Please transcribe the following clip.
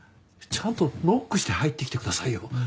ちゃんとノックして入ってきてくださいよ。